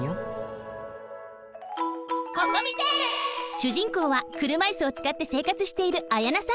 主人公は車いすをつかって生活しているあやなさん。